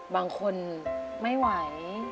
บางคนไม่ไหว